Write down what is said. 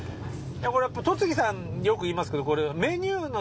イヤコレやっぱ戸次さんよく言いますけどコレ。